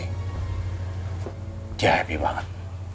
hai jepi banget